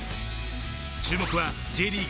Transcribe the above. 注目はＪリーグ